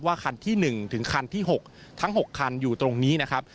คันที่๑ถึงคันที่๖ทั้ง๖คันอยู่ตรงนี้นะครับ